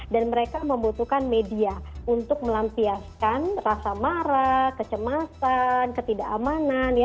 dan mereka membutuhkan media untuk melampiaskan rasa marah kecemasan ketidakamanan ya